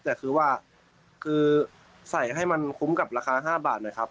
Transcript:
แต่คือว่าคือใส่ให้มันคุ้มกับราคา๕บาทนะครับ